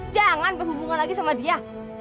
jangan berhubungan lagi sama dia